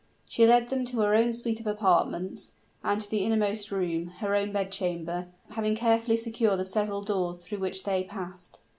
She led them to her own suit of apartments, and to the innermost room her own bed chamber having carefully secured the several doors through which they passed.